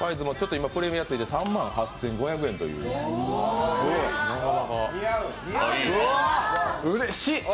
今、プレミアついてて３万８５００円といううれしい。